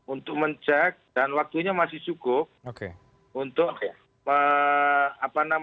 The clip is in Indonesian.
untuk mencek dan waktunya masih cukup